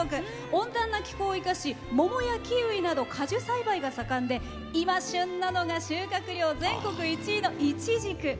温暖な気候を生かし桃やキウイなど果樹栽培が盛んで今、旬なのが収穫量全国１位のいちじく。